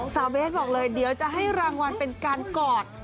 เบสบอกเลยเดี๋ยวจะให้รางวัลเป็นการกอด